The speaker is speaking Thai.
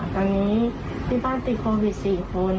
ตอนนี้ที่บ้านติดโควิด๔คน